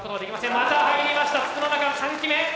また入りました筒の中３機目。